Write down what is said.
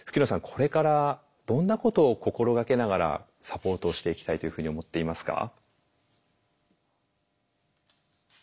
これからどんなことを心がけながらサポートしていきたいというふうに思っていますか？